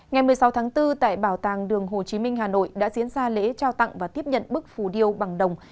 ngày một mươi sáu tháng bốn tại bảo tàng đường hồ chí minh hà nội đã diễn ra lễ trao tặng và tiếp nhận bức phù điêu bằng đồng